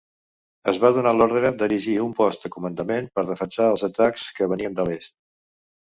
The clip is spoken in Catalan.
Es va donar l'ordre d'erigir un post de comandament per defensar els atacs que venien de l'est.